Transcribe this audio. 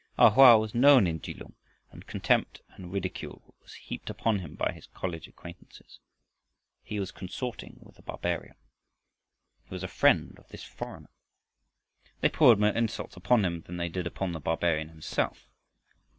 A Hoa was known in Kelung and contempt and ridicule was heaped upon him by his old college acquaintances. He was consorting with the barbarian! He was a friend of this foreigner! They poured more insults upon him than they did upon the barbarian himself.